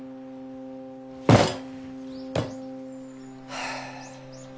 はあ。